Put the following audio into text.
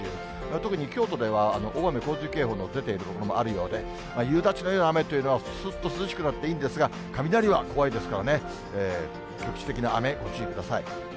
特に京都では大雨洪水警報の出ている所もあるようで、夕立のような雨というのは、すっと涼しくなっていいんですが、雷は怖いですからね、局地的な雨、ご注意ください。